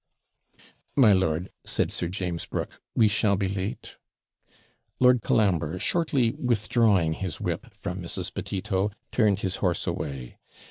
'My lord,' said Sir James Brooke, 'we shall be late.' Lord Colambre, shortly withdrawing his whip from Mrs. Petito, turned his horse away.